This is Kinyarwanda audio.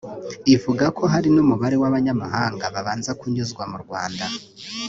Ivuga ko hari n’umubare w’abanyamahanga babanza kunyuzwa mu Rwanda